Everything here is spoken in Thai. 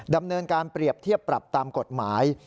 ดำเนินการเปรียบเทียบปรับตามกฎหมาย